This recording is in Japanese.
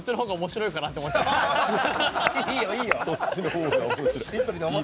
いいよ、いいよ。